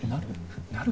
なる？